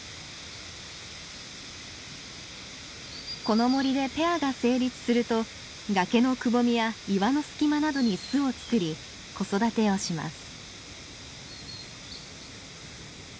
この森でペアが成立すると崖のくぼみや岩の隙間などに巣を作り子育てをします。